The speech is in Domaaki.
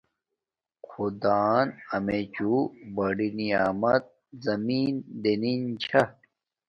خدان امیچوں بڑی نعمیت زمین دنین چھا